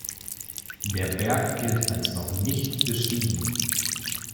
Der Berg gilt als noch nicht bestiegen.